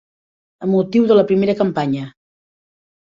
Amb motiu de la primera campanya